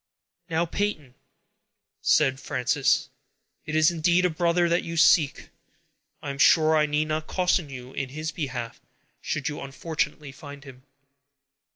"Now, Peyton," said Frances, "it is indeed a brother that you seek; I am sure I need not caution you in his behalf, should you unfortunately find him."